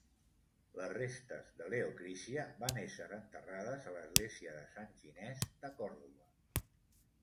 Les restes de Leocrícia van ésser enterrades a l'església de San Ginés de Còrdova.